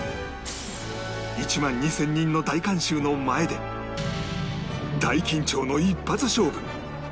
１万２０００人の大観衆の前で大緊張の一発勝負